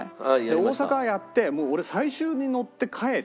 大阪やって俺最終に乗って帰って。